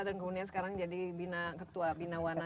dan kemudian sekarang jadi ketua binawana